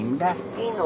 いいの？